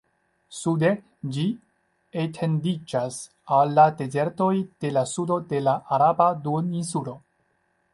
Sude, ĝi etendiĝas al la dezertoj de la sudo de la Araba Duoninsulo.